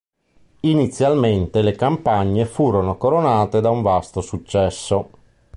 Inizialmente le campagne furono coronate da un vasto successo.